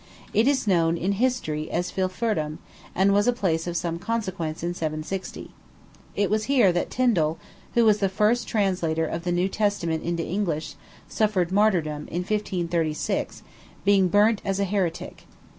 It is known in history as Filfurdum, and was a place of some consequence in 760. It was here that Tindal, who was the first translator of the New Testament into English, suffered martyrdom, in 1536, being burnt as a heretic.